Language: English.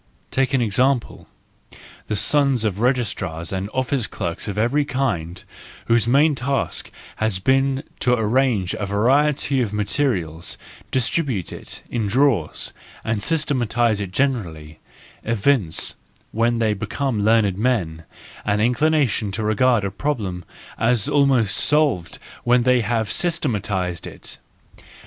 Take an example: the sons of registrars and office clerks of every kind, whose main task has always been to arrange a variety of material, distribute it in drawers, and systematise it generally, evince, when they become learned men, an inclination to regard a problem as almost solved when they have systematised it.